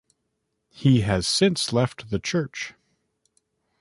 He has since left the church.